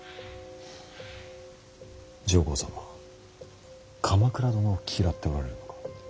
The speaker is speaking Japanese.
上皇様は鎌倉殿を嫌っておられるのか。